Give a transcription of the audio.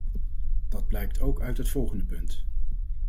Dat blijkt ook uit het volgende punt.